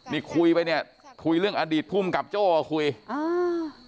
นี่คุยไปเนี่ยคุยเรื่องอดีตภูมิกับโจ้ก็คุยอ่า